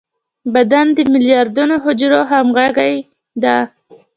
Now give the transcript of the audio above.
بدن د ملیاردونو حجرو همغږي ده.